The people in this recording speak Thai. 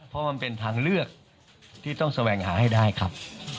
เพราะมันเป็นทางเลือกที่ต้องแสวงหาให้ได้ครับ